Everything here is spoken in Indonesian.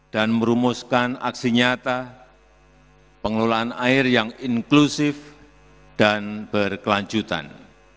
dan merumuskan aksi nyata pengelolaan air yang inklusif dan berkelanjutan